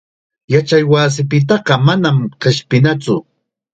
Yachaywasipitaqa manam qishpinatsu.